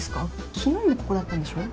昨日もここだったんでしょ？